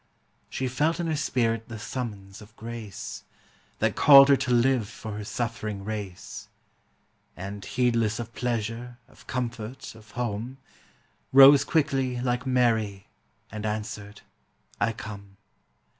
She felt in her spirit the summons of grace, That called her to live for her suffering race; And, heedless of pleasure, of comfort, of home, Rose quickly, like Mary, and answered, "I come."